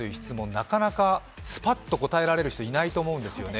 なかなかすぱっと答えられる人、いないと思うんですよね。